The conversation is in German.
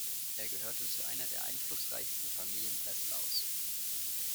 Er gehörte zu einer der einflussreichsten Familien Breslaus.